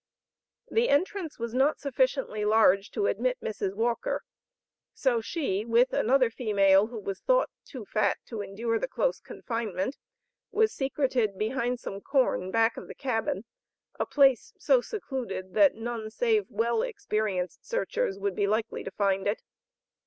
The entrance was not sufficiently large to admit Mrs. Walker, so she with another female who was thought "too fat" to endure the close confinement, was secreted behind some corn back of the cabin, a place so secluded that none save well experienced searchers would be likely to find it.